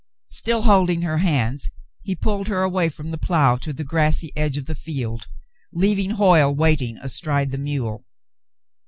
Still holding her hands, he pulled her away from the plough to the grassy edge of the field, leaving Hoyle waiting astride the mule.